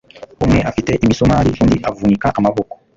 Umwe afite imisumari undi avunika amaboko